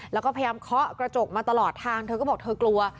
แล้วก็พยายามเคาะกระจกมาตลอดทางเธอก็บอกเธอกลัว